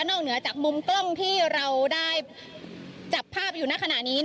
เหนือจากมุมกล้องที่เราได้จับภาพอยู่ในขณะนี้